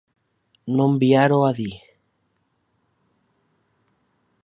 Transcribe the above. No enviar-ho a dir.